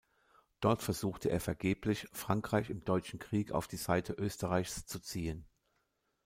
Dort versuchte er vergeblich, Frankreich im Deutschen Krieg auf die Seite Österreichs zu ziehen.